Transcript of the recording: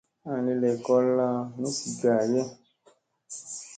Aŋ li lekolla ni zi gaage ?